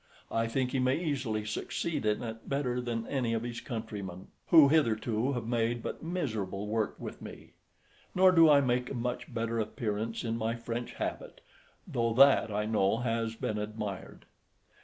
I think he may easily succeed in it better than any of his countrymen, who hitherto have made but miserable work with me; nor do I make a much better appearance in my French habit, though that I know has been admired.